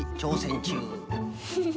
フフフ。